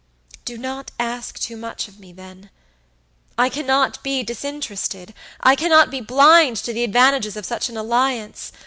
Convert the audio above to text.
Do not ask too much of me, then. I cannot be disinterested; I cannot be blind to the advantages of such an alliance.